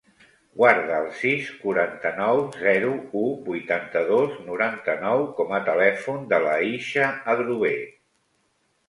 Guarda el sis, quaranta-nou, zero, u, vuitanta-dos, noranta-nou com a telèfon de l'Aicha Adrover.